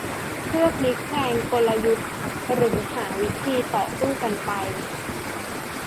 เพื่อพลิกแพลงกลยุทธ์ หรือหาวิธีต่อสู้กันไป